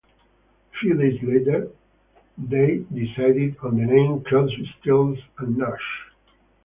A few days later they decided on the name "Crosby, Stills, and Nash".